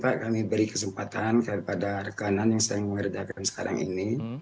pak kami beri kesempatan kepada rekanan yang sedang mengerjakan sekarang ini